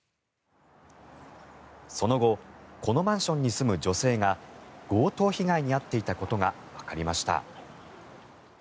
その後このマンションに住む女性が強盗被害に遭っていたことがわかりました。